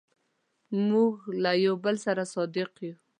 موږ له یو بل سره صادق یو.